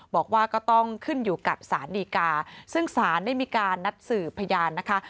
บอกว่าก็ต้องขึ้นอยู่กับสารดีกาซึ่งศาลได้มีการนัดสืบพยานนะคะ